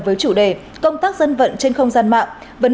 với chủ đề công tác dân vận trên không gian mạng